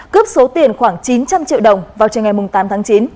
cướp số tiền khoảng chín trăm linh triệu đồng vào trường ngày tám tháng chín